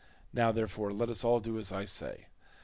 Now, therefore, let us all do as I say.